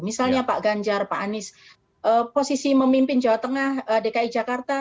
misalnya pak ganjar pak anies posisi memimpin jawa tengah dki jakarta